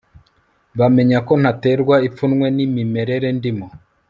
bamenya ko ntaterwa ipfunwe n imimerere ndimo